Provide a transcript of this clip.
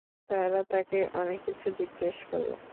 তারা তাকে অনেক কিছু জিজ্ঞেস করল।